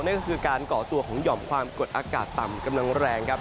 นั่นก็คือการก่อตัวของหย่อมความกดอากาศต่ำกำลังแรงครับ